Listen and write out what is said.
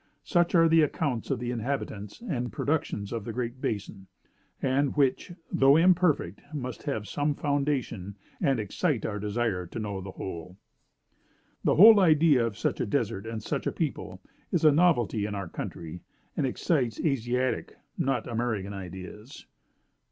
Such are the accounts of the inhabitants and productions of the Great Basin; and which, though imperfect, must have some foundation, and excite our desire to know the whole." "The whole idea of such a desert and such a people, is a novelty in our country, and excites Asiatic, not American ideas.